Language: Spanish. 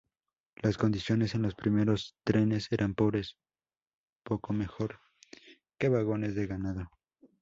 Las condiciones en los primeros trenes eran pobres, poco mejor que vagones de ganado.